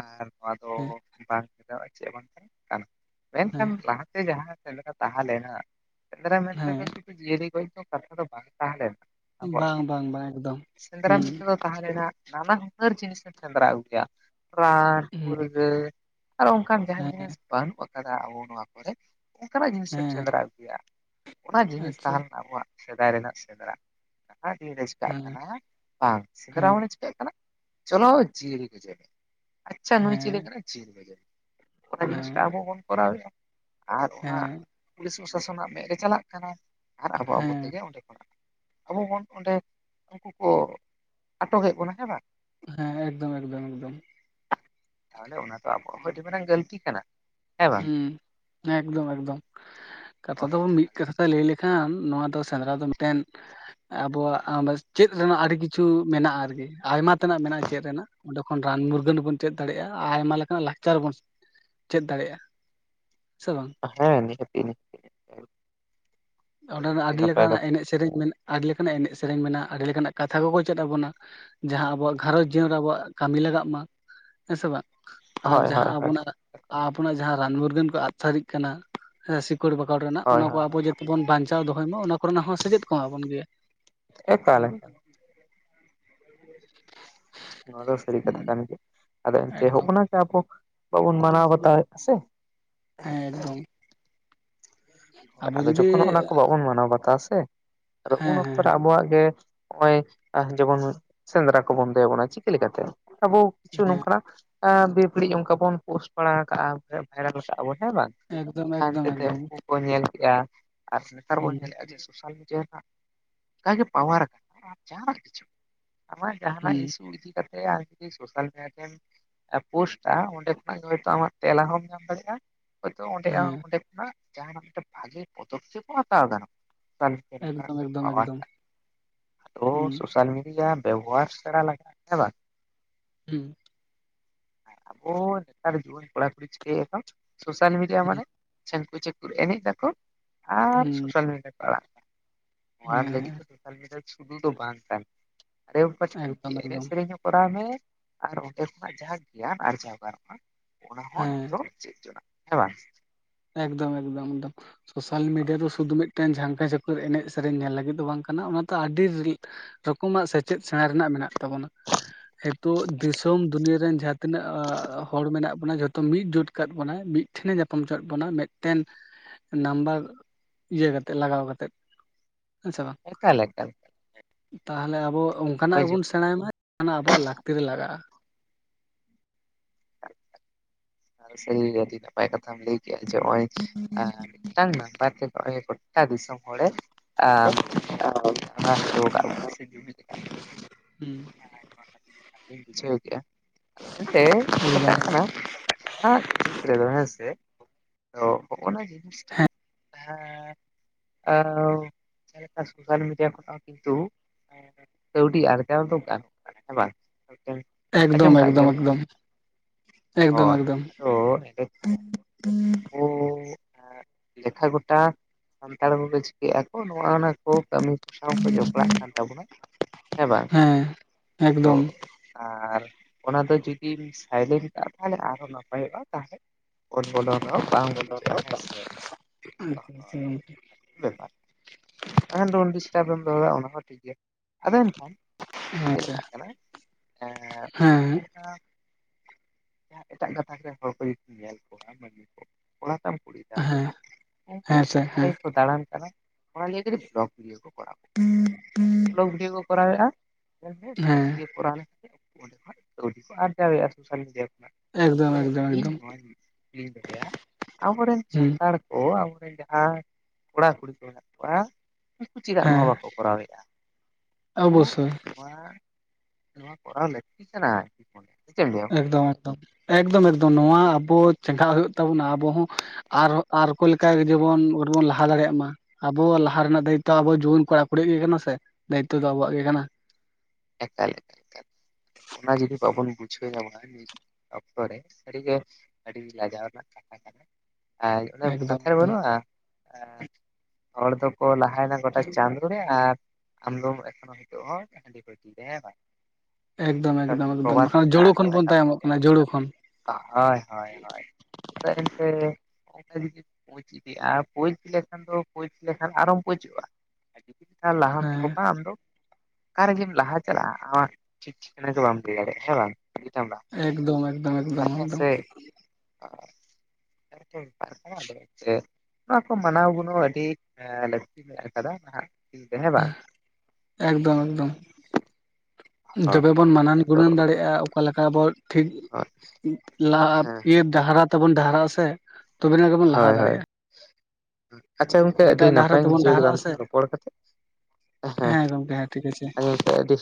ᱟᱨ ᱱᱚᱣᱟ ᱫᱚ ᱦᱮᱸ ᱵᱟᱝ <inaudible> ᱦᱮᱸ ᱢᱮᱱᱠᱷᱟᱱ ᱞᱟᱦᱟᱛᱮ ᱡᱟᱦᱟ ᱞᱮᱠᱟ ᱛᱟᱦᱮ ᱞᱮᱱᱟ? ᱥᱮᱫᱽᱨᱟ ᱢᱮᱱ ᱦᱮᱸ ᱛᱮᱫᱚ ᱥᱩᱫᱩ ᱡᱤᱭᱟᱹᱞᱤ ᱜᱚᱡ ᱫᱚ ᱠᱟᱛᱷᱟ ᱫᱚ ᱵᱟᱝ ᱛᱟᱦᱮ ᱞᱮᱱᱟ᱾ ᱟᱵᱚᱣᱟᱜ ᱵᱟᱝ ᱥᱟᱶᱛᱟ ᱵᱟᱝ ᱵᱟᱝ ᱮᱠᱫᱚᱢ ᱥᱮᱫᱽᱨᱟ ᱦᱩᱸ ᱢᱮᱱᱛᱮ ᱫᱚ, ᱛᱟᱦᱮ ᱞᱮᱱᱟ ᱱᱟᱱᱟ ᱦᱩᱱᱟᱹᱨ ᱡᱤᱱᱤᱥ ᱮᱢ ᱥᱮᱱᱫᱨᱟ ᱟᱜᱩᱠᱮᱭᱟ ᱨᱟᱱ ᱦᱩᱸ ᱢᱩᱨᱜᱟᱹ ᱟᱨ ᱚᱱᱠᱟᱱ ᱡᱟᱦᱟᱱ ᱦᱮᱸ ᱡᱤᱱᱤᱥ ᱵᱟᱱᱩᱜ ᱠᱟᱫᱟ ᱟᱵᱚ ᱱᱚᱣᱟ ᱠᱚᱨᱮ, ᱚᱱᱠᱟᱱᱟᱜ ᱡᱤᱱᱤᱥ ᱮᱢ ᱦᱮᱸ ᱥᱮᱫᱽᱨᱟ ᱟᱹᱜᱩ ᱠᱮᱭᱟ ᱚᱱᱟ ᱡᱤᱱᱤᱥ ᱟᱪᱪᱷᱟ ᱛᱟᱦᱮ ᱞᱮᱱᱟ ᱟᱵᱚᱣᱟᱜ ᱥᱮᱫᱟᱭ ᱨᱮᱱᱟᱜ ᱥᱮᱫᱽᱨᱟ᱾ ᱱᱟᱦᱟᱜ ᱫᱤᱱ ᱨᱮ ᱪᱮᱠᱟᱜ ᱦᱮᱸ ᱠᱟᱱᱟ ᱵᱟᱝ ᱥᱮᱸᱫᱽᱨᱟ ᱦᱮᱸ ᱢᱟᱱᱮ, ᱪᱤᱠᱟᱹᱜ ᱠᱟᱱᱟ ᱪᱚᱞᱚ ᱡᱤᱭᱟᱹᱞᱤ ᱜᱚᱡᱮᱢᱮ ᱟᱪᱪᱷᱟ ᱱᱩᱭ ᱪᱮᱞᱮ ᱦᱮᱸ ᱠᱟᱱᱟᱭ ᱡᱤᱞ ᱜᱚᱡᱮᱢᱮ᱾ ᱚᱱᱟ ᱡᱤᱱᱤᱥᱴᱟᱜ ᱦᱮᱸ ᱟᱵᱚ ᱵᱚᱱ ᱠᱚᱨᱟᱣᱮᱫᱼᱟ ᱟᱨ ᱚᱱᱟ ᱦᱮᱸ ᱯᱩᱞᱤᱥ ᱯᱨᱚᱥᱟᱥᱚᱱ ᱟᱜ ᱢᱮᱫ ᱨᱮ ᱪᱟᱞᱟᱜ ᱠᱟᱱᱟ᱾ ᱟᱨ ᱟᱵᱚ ᱟᱵᱚ ᱦᱮᱸ ᱛᱮᱜᱮ ᱚᱸᱰᱮ ᱠᱷᱚᱱᱟᱜ, ᱟᱵᱚ ᱵᱚᱱ ᱚᱸᱰᱮ ᱩᱱᱠᱩ ᱠᱚ ᱟᱴᱚᱠᱮᱫ ᱵᱚᱱᱟ ᱦᱮᱸ ᱵᱟᱝ? ᱦᱮᱸ ᱮᱠᱫᱚᱢ ᱮᱠᱫᱚᱢ ᱮᱠᱫᱚᱢ᱾ ᱛᱟᱦᱚᱞᱮ ᱚᱱᱟ ᱫᱚ ᱟᱵᱚᱣᱟᱜ ᱦᱚ ᱟᱹᱰᱤ ᱢᱟᱨᱟᱝ ᱜᱟᱹᱞᱛᱤ ᱠᱟᱱᱟ᱾ ᱦᱮᱸ ᱵᱟᱝ ᱦᱩ ᱮᱠᱫᱚᱢ ᱮᱠᱫᱚᱢ ᱠᱟᱛᱷᱟ ᱦᱳᱭ ᱫᱚ ᱢᱤᱫ ᱛᱟᱦᱚᱞᱮ ᱠᱟᱛᱷᱟ ᱞᱟᱹᱭ ᱞᱮᱠᱷᱟᱱ ᱱᱚᱣᱟ ᱫᱚ ᱥᱮᱸᱫᱽᱨᱟ ᱫᱚ ᱢᱤᱫᱴᱮᱱ, ᱟᱵᱚᱣᱟᱜ ᱪᱮᱫ ᱨᱮᱱᱟᱜ ᱟᱹᱰᱤ ᱠᱤᱪᱷᱩ ᱢᱮᱱᱟᱜᱼᱟ ᱟᱨᱠᱤ ᱟᱭᱢᱟ ᱛᱮᱱᱟᱜ ᱢᱮᱱᱟᱜᱼᱟ ᱪᱮᱫ ᱨᱮᱱᱟᱜ᱾ ᱚᱸᱰᱮ ᱠᱷᱚᱱ ᱨᱟᱱ ᱢᱩᱨᱜᱟᱹᱱ ᱦᱚᱸᱵᱚᱱ ᱪᱮᱫ ᱫᱟᱲᱮᱭᱟᱜᱼᱟ ᱟᱨ ᱟᱭᱢᱟ ᱞᱮᱠᱟᱱᱟᱜ ᱞᱟᱠᱪᱟᱨ ᱵᱚᱱ ᱪᱮᱫ ᱫᱟᱲᱮᱭᱟᱜᱼᱟ᱾ ᱥᱮ ᱵᱟᱝ? ᱦᱮᱸ ᱱᱤᱦᱟᱹᱛᱤ ᱱᱤᱦᱟᱹᱛᱤ, ᱚᱸᱰᱮᱱᱟᱜ ᱟᱹᱰᱤ ᱱᱟᱯᱟᱭ ᱞᱮᱠᱟᱱᱟᱜ ᱠᱟᱛᱷᱟ ᱮᱱᱮᱡ ᱥᱮᱨᱮᱧ ᱟᱹᱰᱤ ᱞᱮᱠᱟᱱᱟᱜ ᱮᱱᱮᱡ ᱥᱮᱨᱮᱧ ᱢᱮᱱᱟᱜᱼᱟ ᱟᱹᱰᱤ ᱞᱮᱠᱟᱱᱟᱜ ᱠᱟᱛᱷᱟ ᱠᱚᱠᱚ ᱪᱮᱫ ᱟᱵᱚᱱᱟ᱾ ᱡᱟᱦᱟᱸ ᱟᱵᱚᱣᱟᱜ ᱜᱷᱟᱸᱨᱚᱸᱡᱽ ᱡᱤᱭᱚᱱ ᱨᱮ ᱟᱵᱚᱣᱟᱜ ᱠᱟᱹᱢᱤ ᱞᱟᱜᱟᱜ ᱢᱟ ᱦᱮᱸ ᱥᱮ ᱵᱟᱝ? ᱟᱨ ᱦᱳᱭ ᱡᱟᱦᱟᱸ ᱦᱳᱭ ᱦᱳᱭ ᱟᱵᱚᱱᱟᱜ ᱟᱵᱚᱱᱟᱜ ᱡᱟᱦᱟᱸ ᱨᱟᱱ ᱢᱩᱨᱜᱟᱹᱱ ᱠᱚ ᱟᱫᱽ ᱥᱟᱨᱤᱜ ᱠᱟᱱᱟ ᱦᱮᱸ ᱥᱮ? ᱥᱤᱠᱚᱲ ᱵᱟᱠᱟᱲ ᱨᱮᱱᱟᱜ ᱦᱳᱭ ᱚᱱᱟ ᱠᱚ ᱦᱳᱭ ᱟᱵᱚ ᱡᱟᱛᱮ ᱵᱚᱱ ᱵᱟᱧᱪᱟᱣ ᱫᱚᱦᱚᱭ ᱢᱟ ᱚᱱᱟ ᱠᱚᱨᱮᱱᱟᱜ ᱦᱚᱸ ᱥᱮᱪᱮᱫ ᱠᱚ ᱮᱢᱟᱵᱚᱱ ᱜᱮᱭᱟ᱾ ᱮᱠᱟᱞ ᱮᱠᱟᱞ᱾ ᱱᱚᱣᱟ ᱫᱚ ᱥᱟᱹᱨᱤ ᱠᱟᱛᱷᱟ ᱦᱩᱸ ᱠᱟᱱ ᱜᱮᱭᱟ ᱟᱫᱚ ᱮᱱᱛᱮ ᱮᱠᱫᱚᱢ ᱦᱚᱸᱜᱼᱚᱱᱟ ᱜᱮ ᱟᱵᱚ ᱵᱟᱵᱚᱱ ᱢᱟᱱᱟᱣ ᱵᱟᱛᱟᱣᱮᱫᱼᱟ ᱥᱮ? ᱦᱮᱸ ᱮᱠᱫᱚᱢ, ᱦᱳᱭ ᱟᱵᱚ ᱟᱫᱚ ᱡᱩᱫᱤ ᱡᱚᱠᱷᱚᱱ ᱚᱱᱟ ᱠᱚ ᱵᱟᱵᱚᱱ ᱢᱟᱱᱟᱣ ᱵᱟᱛᱟᱣᱟ ᱥᱮ ᱟᱫᱚ ᱩᱱ ᱦᱮᱸ ᱚᱠᱛᱚ ᱨᱮ ᱦᱮᱸ ᱟᱵᱚᱣᱟᱜ ᱜᱮ, ᱦᱚᱜᱼᱚᱭ ᱡᱮᱢᱚᱱ ᱥᱮᱸᱫᱽᱨᱟ ᱠᱚ ᱵᱚᱱᱫᱚᱭᱮᱫ ᱵᱚᱱᱟ ᱪᱤᱠᱟᱹ ᱞᱮᱠᱟᱛᱮ ᱟᱵᱚ ᱠᱤᱪᱷᱩ ᱦᱮᱸ ᱱᱚᱝᱠᱟᱱᱟᱜ ᱵᱮ-ᱵᱟᱹᱰᱤᱡ ᱚᱱᱠᱟ ᱵᱚᱱ ᱯᱳᱥᱴ ᱵᱟᱲᱟ ᱠᱟᱜᱼᱟ ᱵᱷᱟᱭᱨᱟᱞ ᱠᱟᱜᱼᱟ ᱵᱚᱱ ᱦᱮᱸ ᱵᱟᱝ? ᱮᱠᱫᱚᱢ ᱡᱟᱦᱟᱸ ᱮᱠᱫᱚᱢ ᱦᱚᱛᱮᱫ ᱛᱮ ᱮᱠᱫᱚᱢ ᱩᱱᱠᱩ ᱠᱚ ᱧᱮᱞ ᱠᱮᱜᱼᱟ ᱟᱨ ᱱᱮᱛᱟᱨ ᱵᱚᱱ ᱦᱩᱸ ᱧᱮᱞᱮᱫᱼᱟ ᱡᱮ ᱥᱳᱥᱟᱞ ᱢᱤᱰᱤᱭᱟ ᱨᱮᱱᱟᱜ, ᱠᱟᱜᱮ ᱯᱟᱣᱟᱨ ᱡᱟᱸᱦᱟ ᱠᱤᱪᱪᱷᱩ ᱟᱢᱟᱜ ᱡᱟᱦᱟᱱᱟᱜ ᱦᱩᱸ ᱤᱥᱩ ᱤᱫᱤ ᱠᱟᱛᱮ ᱮᱭ ᱟᱨᱠᱤ ᱥᱳᱥᱟᱞ ᱢᱤᱰᱤᱭᱟ ᱴᱷᱮᱱ᱾ ᱯᱳᱥᱴ-ᱟ ᱚᱸᱰᱮ ᱠᱷᱚᱱᱟᱜ ᱜᱮ ᱦᱚᱭᱛᱳ ᱟᱢᱟᱜ ᱛᱮᱞᱟ ᱦᱚᱢ ᱧᱟᱢ ᱫᱟᱲᱮᱭᱟᱜ-ᱟ᱾ ᱦᱚᱭᱛᱚ ᱚᱸᱰᱮ ᱟ ᱦᱮᱸ ᱚᱸᱰᱮ ᱠᱷᱚᱱᱟᱜ ᱡᱟᱦᱟᱱᱟᱜ ᱢᱤᱫᱴᱮᱡ ᱵᱷᱟᱜᱮ ᱯᱚᱫᱚᱠᱠᱷᱮᱯ ᱦᱚᱸ ᱦᱟᱛᱟᱣ ᱜᱟᱱᱚᱜ-ᱟ᱾ <unintelligible> ᱱᱚᱝᱠᱟᱱᱟᱜ ᱮᱠᱫᱚᱢ ᱮᱠᱫᱚᱢ ᱯᱟᱣᱟᱨ ᱮᱠᱫᱚᱢ ᱴᱟᱜ, ᱟᱫᱚ ᱦᱩᱸ ᱥᱳᱥᱟᱞ ᱢᱤᱰᱤᱭᱟ ᱵᱮᱵᱚᱦᱟᱨ ᱥᱮᱬᱟ ᱞᱟᱜᱟᱜ-ᱟ ᱦᱮᱸ ᱥᱮ ᱵᱟᱝ᱾ ᱦᱩᱸ᱾ ᱦᱮᱸ, ᱟᱵᱚ ᱱᱮᱛᱟᱨ ᱡᱩᱣᱟᱹᱱ ᱠᱚᱲᱟ ᱠᱩᱲᱤ ᱪᱤᱠᱟᱹᱭᱟᱵᱚᱱ, ᱥᱳᱥᱟᱞ ᱢᱤᱰᱤᱭᱟ ᱦᱩᱸ ᱢᱟᱱᱮ ᱡᱷᱟᱝᱠᱩ ᱡᱷᱟᱠᱩᱲ ᱮᱱᱮᱡ ᱫᱟ ᱠᱚ, ᱟᱨ ᱦᱩᱸ ᱥᱳᱥᱟᱞ ᱢᱤᱰᱤᱭᱟ ᱠᱚ ᱟᱲᱟᱜ ᱮᱫᱟ᱾ ᱱᱚᱣᱟ ᱦᱮᱸ ᱞᱟᱹᱜᱤᱫ ᱦᱮᱸ ᱫᱚ ᱥᱳᱥᱟᱞ ᱢᱤᱰᱤᱭᱟ ᱥᱩᱫᱩ ᱫᱚ ᱵᱟᱝ ᱠᱟᱱᱟ, ᱟᱨᱮ ᱮᱠᱫᱚᱢ <unintelligible> ᱮᱱᱮᱡ, ᱮᱠᱫᱚᱢ ᱥᱮᱨᱮᱧᱟ ᱠᱚᱨᱟᱣ ᱢᱮ ᱟᱨ ᱚᱸᱰᱮ ᱠᱷᱚᱱᱟᱜ ᱡᱟᱦᱟᱸ ᱜᱮᱭᱟᱱ ᱟᱨᱡᱟᱣ ᱜᱟᱱᱚᱜ-ᱟ ᱚᱱᱟ ᱦᱚᱸ ᱦᱮᱸ ᱟᱡ ᱫᱚ ᱪᱮᱫ ᱡᱚᱱᱟᱜ ᱠᱟᱱᱟ, ᱦᱮᱸ ᱵᱟᱝ? ᱮᱠᱫᱚᱢ ᱮᱠᱫᱚᱢ ᱮᱠᱫᱚᱢ᱾ ᱥᱳᱥᱟᱞ ᱢᱤᱰᱤᱭᱟ ᱫᱚ ᱥᱩᱫᱷᱩ ᱢᱤᱫᱴᱮᱱ ᱡᱷᱟᱝᱠᱟ ᱡᱷᱟᱠᱩᱨ ᱮᱱᱮᱡ ᱥᱮᱨᱮᱧ ᱧᱮᱞ ᱞᱟᱹᱜᱤᱫ ᱫᱚ ᱵᱟᱝ ᱠᱟᱱᱟ᱾ ᱚᱱᱟ ᱫᱚ ᱟᱹᱰᱤ ᱨᱤᱞ ᱨᱚᱠᱚᱢᱟᱜ ᱥᱮᱪᱮᱫ ᱥᱮᱬᱟ ᱨᱮᱱᱟᱜ ᱢᱮᱱᱟᱜ ᱛᱟᱵᱚᱱᱟ᱾ ᱦᱤᱛᱳᱜ ᱫᱤᱥᱚᱢ ᱫᱩᱱᱭᱟᱹ ᱨᱮᱱ ᱡᱟᱦᱟᱸ ᱛᱤᱱᱟᱹᱜ ᱦᱚᱲ ᱢᱮᱱᱟᱜ ᱵᱚᱱᱟ ᱡᱷᱚᱛᱚ ᱢᱤᱫ ᱡᱳᱴ ᱠᱟᱫ ᱵᱚᱱᱟᱭ, ᱢᱤᱫ ᱴᱷᱮᱱᱮ ᱧᱟᱯᱟᱢ ᱟᱠᱟᱫ ᱵᱚᱱᱟ, ᱢᱮᱫᱴᱮᱱ ᱱᱟᱢᱵᱟᱨ ᱤᱭᱟᱹ ᱠᱟᱛᱮᱫ ᱞᱟᱜᱟᱣ ᱠᱟᱛᱮᱫ᱾ ᱦᱮᱸ ᱥᱮ ᱵᱟᱝ᱾ ᱮᱠᱟᱞ ᱮᱠᱟᱞ ᱛᱟᱦᱞᱮ ᱟᱵᱚ ᱚᱝᱠᱟᱱᱟᱜ ᱱᱚᱜᱼᱚᱭ ᱡᱮ ᱜᱮᱵᱚᱱ ᱥᱮᱬᱟᱭ ᱢᱟ᱾ ᱚᱱᱟ ᱟᱵᱚᱣᱟᱜ ᱞᱟᱹᱠᱛᱤ ᱨᱮ ᱞᱟᱜᱟᱜ-ᱟ᱾ ᱟᱫᱚ ᱥᱟᱹᱨᱩ ᱜᱮ ᱟᱹᱰᱤ ᱱᱟᱯᱟᱭ ᱠᱟᱛᱷᱟᱢ ᱞᱟᱹᱭ ᱠᱮᱜᱼᱟ ᱡᱮ ᱦᱚᱸᱜ-ᱚᱭ, ᱟᱸᱻ ᱢᱤᱫᱴᱟᱝ ᱱᱟᱯᱟᱭ ᱛᱮ ᱦᱚᱲᱮ ᱜᱚᱴᱴᱟ ᱫᱤᱥᱚᱢ ᱦᱚᱲᱮ ᱟᱻ ᱢᱤᱫ ᱴᱷᱮᱱᱮ ᱡᱟᱣᱨᱟ ᱦᱚᱪᱚ ᱟᱠᱟᱫ ᱵᱚᱱᱟ ᱥᱮ ᱡᱩᱢᱤᱫ ᱟᱠᱟᱫ ᱵᱚᱱᱟ᱾ ᱦᱩᱸ᱾ ᱟᱫᱚᱧ ᱵᱩᱡᱷᱟᱹᱣ ᱠᱮᱜ-ᱟ, ᱟᱫᱚ ᱮᱱᱛᱮ ᱪᱮᱫᱮᱠᱟᱜ ᱠᱟᱱᱟ? ᱱᱟᱦᱟᱜ ᱡᱩᱜᱽ ᱨᱮᱫᱚ ᱦᱮᱸᱥᱮ ᱛᱚ, ᱦᱚᱸᱜ-ᱚᱱᱟ ᱡᱤᱱᱤᱥ ᱴᱟᱜ᱾ ᱡᱟᱦᱟᱸ <unintelligible> ‌ᱪᱮᱫᱞᱮᱠᱟ ᱥᱳᱥᱟᱞ ᱢᱤᱰᱤᱭᱟ ᱠᱷᱚᱱᱟᱜ ᱦᱚᱸ ᱠᱤᱱᱛᱩ ᱠᱟᱹᱣᱰᱤ ᱟᱨᱡᱟᱣ ᱫᱚ ᱜᱟᱱᱜ ᱠᱟᱱᱟ ᱦᱮᱸ ᱵᱟᱝ ᱥᱳᱭᱫᱳᱢ᱾ ᱮᱠᱫᱚᱢ ᱮᱠᱫᱚᱢ ᱮᱠᱫᱚᱢ᱾ ᱮᱠᱫᱚᱢ ᱦᱳᱭ ᱮᱠᱫᱚᱢ᱾ ᱚ, ᱮᱸᱜ ᱞᱮᱠᱷᱟ ᱜᱚᱴᱟ ᱥᱟᱱᱛᱟᱲ ᱠᱚᱜᱮ ᱪᱤᱠᱟᱹᱭᱮᱜ-ᱟ ᱠᱚ ᱱᱚᱣᱟ ᱚᱱᱟ ᱠᱚ ᱠᱟᱹᱢᱤ ᱠᱚ ᱥᱟᱶ ᱠᱚ ᱡᱚᱯᱲᱟᱜ ᱠᱟᱱ ᱛᱟᱵᱚᱱᱟ ᱦᱮᱸ ᱵᱟᱝ? ᱟᱫᱚ ᱮᱠᱫᱚᱢ ᱟᱨ ᱚᱱᱟ ᱫᱚ ᱡᱩᱫᱤᱢ ᱥᱟᱭᱞᱮᱱᱴ ᱠᱷᱜ-ᱟ ᱛᱟᱦᱞᱮ ᱟᱨᱦᱚᱸ ᱱᱟᱯᱟᱭᱚᱜ-ᱟ ᱛᱟᱦᱞᱮ᱾ ᱩᱫᱵᱳᱫᱚᱱ ᱨᱮᱦᱚᱸ ᱵᱟᱝ ᱵᱩᱡᱷᱟᱹᱜ-ᱟ ᱦᱮᱸ ᱥᱮ, ᱟᱪᱪᱷᱟ ᱟᱪᱪᱷᱟ ᱦᱳᱭ ᱜᱚᱝᱠᱮ <unintelligible> ᱡᱚᱠᱷᱚᱱ ᱛᱚᱠᱷᱚᱱ ᱰᱤᱥᱴᱟᱵ-ᱮᱢ ᱫᱚᱦᱚᱭᱟ ᱚᱱᱟ ᱦᱚᱸ ᱴᱷᱤᱠ ᱜᱮᱭᱟ᱾ ᱟᱫ ᱮᱱᱠᱷᱟᱱ ᱪᱮᱫ ᱟᱪᱪᱷᱟ ᱞᱮᱠᱟᱜ ᱠᱟᱱᱟ, ᱮᱸᱜ ᱦᱮᱸ ᱚᱱᱟ ᱡᱟᱦᱟᱸ ᱮᱴᱟᱜ ᱜᱟᱛᱟᱠ ᱨᱮᱱ ᱦᱚᱲ ᱠᱚ ᱡᱩᱫᱤᱢ ᱧᱮᱞ ᱠᱚᱣᱟ ᱢᱟᱹᱱᱢᱤ ᱠᱚ᱾ ᱠᱚᱲᱟ ᱛᱟᱢ ᱠᱩᱲᱤ ᱛᱟᱢ ᱦᱮᱸ ᱥᱮ, ᱩᱝᱠᱩ ᱦᱮᱸ ᱥᱮ ᱡᱟᱦᱟᱸ ᱦᱮᱸ ᱨᱮᱜᱮᱠᱚ ᱫᱟᱬᱟᱱ ᱠᱟᱱᱟ᱾ ᱚᱱᱟ ᱞᱤᱭᱟᱹ ᱛᱮᱜᱮ ᱵᱞᱚᱜᱽ ᱵᱷᱤᱰᱭᱳ ᱠᱚ ᱠᱚᱨᱟᱣ ᱠᱟᱱᱟ, ᱵᱞᱚᱜᱽ ᱵᱷᱤᱰᱭᱳ ᱠᱚ ᱠᱚᱨᱟᱣᱮᱜ-ᱟ᱾ ᱟᱫᱚ ᱮᱱᱠᱷᱟᱱ ᱵᱞᱚᱜᱽ ᱦᱮᱸ ᱵᱷᱤᱰᱭᱳ ᱠᱚᱨᱟᱣ ᱞᱮᱠᱷᱟᱱ ᱜᱮ ᱚᱸᱰᱮ ᱠᱷᱚᱱ ᱠᱟᱹᱣᱰᱤ ᱠᱚ ᱟᱨᱡᱟᱣᱮᱜ-ᱟ ᱥᱳᱥᱟᱞ ᱢᱤᱰᱤᱭᱟ ᱨᱮ᱾ ᱮᱠᱫᱚᱢ ᱛᱟᱞᱦᱮ ᱮᱠᱫᱚᱢ ᱤᱧ ᱮᱠᱫᱚᱢ ᱱᱚᱣᱟᱧ ᱠᱩᱠᱞᱤᱧ ᱫᱚᱦᱚᱭᱟ ᱟᱵᱚᱨᱮᱱ ᱦᱩᱸ ᱥᱟᱱᱛᱟᱲ ᱠᱚᱻ ᱟᱵᱚᱨᱮᱱ ᱡᱟᱦᱟᱸᱭ ᱠᱚᱲᱟ ᱠᱩᱲᱤ ᱠᱚ ᱦᱮᱱᱟᱜ ᱠᱚᱣᱟ᱾ ᱩᱱᱠᱩ ᱪᱮᱫᱟᱜ ᱦᱮᱸ ᱱᱚᱣᱟ ᱵᱟᱠᱚ ᱠᱚᱨᱟᱣᱮᱜ-ᱟ? ᱩᱱᱠᱩ ᱚᱵᱚᱥᱥᱳᱭ ᱱᱚᱣᱟ ᱱᱚᱣᱟ ᱠᱚᱨᱟᱣ ᱞᱟᱹᱠᱛᱤ ᱠᱟᱱᱟ᱾ ᱢᱚᱱᱮᱭᱟ, ᱪᱮᱫ ᱮᱢ ᱞᱟᱹᱭᱟ ᱜᱚᱝᱠᱮ? ᱮᱠᱫᱚᱢ ᱮᱠᱫᱚᱢ, ᱮᱠᱫᱚᱢ ᱮᱠᱫᱚᱢ ᱱᱚᱣᱟ ᱟᱵᱚ ᱪᱮᱸᱜᱷᱟᱜ ᱦᱩᱭᱩᱜ ᱛᱟᱵᱚᱱᱟ᱾ ᱟᱵᱚ ᱦᱚᱸ ᱟᱨ, ᱟᱨ ᱠᱚ ᱞᱮᱠᱟ ᱜᱮ ᱡᱮᱢᱚᱱ ᱟᱨ ᱵᱚᱱ ᱞᱟᱦᱟ ᱫᱟᱲᱮᱭᱟᱜ ᱢᱟ᱾ ᱟᱵᱚ ᱞᱟᱦᱟ ᱨᱮᱱᱟᱜ ᱫᱟᱭᱤᱛᱛᱚ ᱟᱵᱚ ᱡᱩᱣᱟᱹᱱ ᱠᱚᱲᱟ ᱠᱩᱲᱤ ᱜᱮ ᱠᱟᱱᱟ ᱥᱮ, ᱫᱟᱭᱤᱛᱛᱚ ᱫᱚ ᱟᱵᱚᱣᱟᱜ ᱜᱮ ᱠᱟᱱᱟ᱾ ᱮᱠᱟᱞ ᱮᱠᱟᱞ ᱮᱠᱟᱞ ᱚᱱᱟ ᱡᱩᱫᱤ ᱵᱟᱵᱚᱱ ᱵᱩᱡᱷᱟᱹᱣ ᱧᱟᱢᱟ ᱡᱮ ᱚᱠᱛᱚ ᱨᱮ ᱥᱟᱹᱨᱤ ᱜᱮ ᱟᱹᱰᱤ ᱞᱟᱡᱟᱣ ᱨᱮᱱᱟᱜ ᱠᱟᱛᱷᱟ ᱠᱟᱱᱟ᱾ ᱮ ᱚᱱᱮ ᱮᱠᱫᱚᱢ ᱠᱟᱛᱷᱟ ᱨᱮ ᱮᱠᱫᱚᱢ ᱵᱟᱹᱱᱩᱜ-ᱟ ᱮᱸ ᱦᱚᱲ ᱫᱚᱠᱚ ᱞᱟᱦᱟᱭ ᱮᱱᱟ ᱜᱚᱴᱟ ᱪᱟᱸᱫᱚ ᱨᱮ ᱟᱨ ᱟᱢᱫᱚᱢ ᱮᱠᱷᱚᱱᱚ ᱦᱤᱛᱚᱜ ᱦᱚᱸ ᱦᱟᱺᱰᱤ ᱵᱷᱟᱴᱤ ᱨᱮ᱾ ᱫᱮ ᱵᱟᱝ ᱮᱠᱫᱚᱢ ᱢᱤᱫᱴᱟᱝ ᱮᱠᱫᱚᱢ ᱮᱠᱫᱚᱢ ᱯᱨᱚᱵᱟᱫ ᱵᱟᱠᱷᱟᱱ ᱢᱮᱱᱟᱜ ᱡᱳᱲᱳ ᱠᱷᱚᱱ ᱟᱠᱟᱫᱟ ᱵᱚᱱ ᱠᱟᱛᱷᱟ ᱛᱟᱭᱚᱢᱚᱜ ᱨᱮ ᱠᱟᱱᱟ ᱡᱳᱲᱳ ᱠᱷᱚᱱ᱾ ᱦᱳᱭ ᱦᱳᱭ ᱦᱳᱭ ᱟᱫᱚ ᱮᱱᱛᱮ ᱟᱯᱮ ᱡᱩᱫᱤ ᱯᱮ ᱯᱟᱹᱪ ᱤᱫᱤᱜ-ᱟ ᱯᱟᱹᱪ ᱞᱮᱠᱷᱟᱱ ᱫᱚ ᱯᱟᱹᱪ ᱞᱮᱠᱷᱟᱱ ᱟᱨ ᱦᱚᱸᱢ ᱯᱟᱹᱪᱚᱜ-ᱟ᱾ ᱟᱹᱰᱤ ᱡᱚᱠᱷᱟᱡ ᱞᱟᱦᱟ ᱦᱮᱸ ᱛᱮᱸᱦᱚᱸ ᱵᱟ ᱟᱢ ᱫᱚ ᱚᱠᱟ ᱨᱮᱜᱮᱢ ᱞᱟᱦᱟ ᱪᱟᱞᱟᱜ-ᱟ ᱟᱢᱟᱜ ᱴᱷᱤᱠ ᱴᱷᱤᱠᱟᱹᱱᱟ ᱜᱮ ᱵᱟᱢ ᱞᱟᱹᱭ ᱫᱟᱲᱮᱭᱟᱜ-ᱟ ᱦᱮᱸ ᱵᱟᱝ᱾ ᱮᱠᱫᱚᱢ ᱮᱠᱫᱚᱢ ᱮᱠᱫᱚᱢ ᱠᱟᱛᱷᱟ ᱮᱠᱫᱚᱢ, ᱥᱮ <unintelligible> ᱱᱚᱣᱟ ᱠᱚ ᱢᱟᱱᱟᱣ ᱜᱩᱱᱟᱹᱣ ᱟᱹᱰᱤ ᱞᱟᱹᱠᱛᱤ ᱢᱮᱱᱟᱜ ᱟᱠᱟᱫᱟ ᱱᱟᱦᱟᱜ ᱫᱤᱱᱨᱮ ᱦᱮᱸ ᱵᱟᱝ? ᱮᱠᱫᱚᱢ ᱮᱠᱫᱚᱢ ᱦᱳᱭ ᱫᱚᱵᱮ ᱵᱚᱱ ᱢᱟᱱᱟᱱ ᱟᱫᱚ ᱜᱩᱱᱟᱹᱱ ᱫᱟᱲᱮᱭᱟᱜ-ᱟ ᱚᱠᱟ ᱞᱮᱠᱟ ᱵᱚᱱ ᱴᱷᱤᱠ ᱞᱟᱦᱟ-ᱟ ᱦᱮᱸ ᱤᱭᱟᱹ ᱰᱟᱦᱟᱨᱟ ᱛᱮᱵᱚᱱ ᱰᱟᱦᱟᱨᱟᱜ-ᱟ ᱥᱮ᱾ ᱛᱚᱵᱮᱱᱟ ᱜᱮᱵᱚᱱ ᱞᱟᱦᱟ ᱦᱳᱭ ᱦᱳᱭ ᱫᱟᱲᱮᱭᱟᱜᱼᱟ ᱟᱪᱪᱷᱟ ᱜᱚᱝᱠᱮ ᱟᱹᱰᱤ ᱮᱴᱟᱜ ᱰᱟᱦᱟᱨᱟ ᱱᱟᱯᱟᱭ ᱤᱧ ᱛᱮᱵᱚᱱ ᱵᱩᱡᱷᱟᱹᱣ ᱠᱮᱫᱟ ᱰᱟᱦᱟᱨᱟᱜᱼᱟ ᱟᱢ ᱥᱮ ᱥᱟᱶ ᱨᱚᱯᱚᱲ ᱠᱟᱛᱮ ᱦᱮᱸ ᱜᱚᱝᱠᱮ ᱦᱮᱸ ᱴᱷᱤᱠ ᱟᱪᱷᱮ ᱟᱸᱢᱚᱢ ᱛᱮ ᱟᱹᱰᱤ